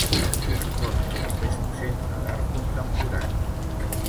Actualment és un centre d'art contemporani.